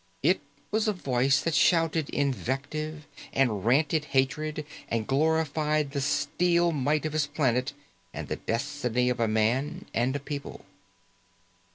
It was a voice that shouted invective and ranted hatred and glorified the steel might of his planet and the destiny of a man and a people.